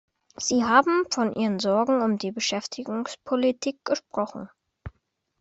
Sie haben von Ihren Sorgen um die Beschäftigungspolitik gesprochen.